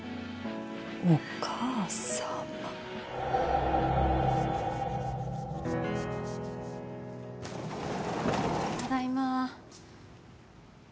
「お母さま」ただいま。